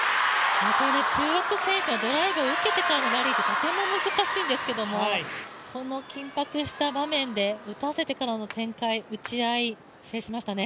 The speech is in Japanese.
中国選手のドライブを受けてからのラリーってとても難しいんですけどこの緊迫した場面で打たせてからの展開、打ち合い制しましたね。